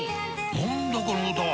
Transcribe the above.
何だこの歌は！